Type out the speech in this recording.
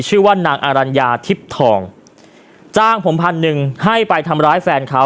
ชื่อว่านางอรัญญาทิพย์ทองจ้างผมพันหนึ่งให้ไปทำร้ายแฟนเขา